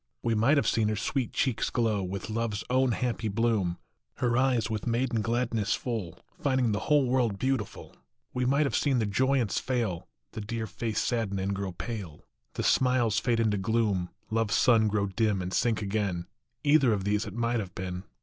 We might have seen her sweet cheeks glow With love s own happy bloom, Her eyes with maiden gladness full, Finding the whole world beautiful ; We might have seen the joyance fail, The dear face sadden and grow pale, The smiles fade into gloom, Love s sun grow dim and sink again, Either of these it might have been. 1 64 WHAT MIGHT HAVE BEEN.